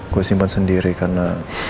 gue simpan sendiri karena